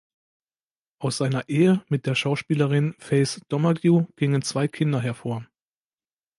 Aus seiner Ehe mit der Schauspielerin Faith Domergue gingen zwei Kinder hervor.